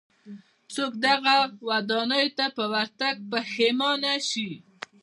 څوک دغو ودانیو ته پر ورتګ پښېمانه شي.